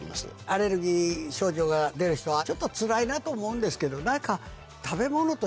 アレルギー症状が出る人はちょっとつらいなと思うんですけど。